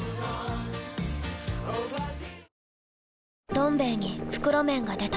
「どん兵衛」に袋麺が出た